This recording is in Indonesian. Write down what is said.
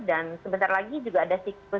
dan sebentar lagi juga ada